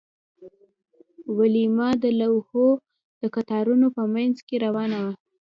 ویلما د لوحو د قطارونو په مینځ کې روانه وه